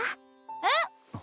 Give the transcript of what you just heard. えっ？